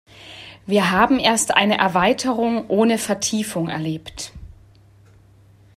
Wir haben erst eine Erweiterung ohne Vertiefung erlebt.